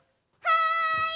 はい！